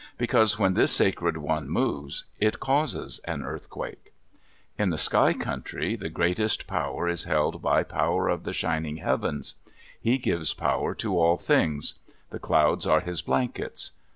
Because when this Sacred One moves, it causes an earthquake. In the Sky Country, the greatest power is held by Power of the Shining Heavens. He gives power to all things. The clouds are his blankets.